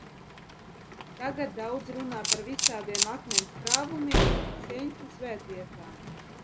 Tagad daudz runā par visādiem akmens krāvumiem, senču svētvietām.